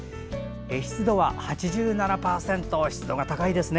湿度は８７％湿度が高いですね。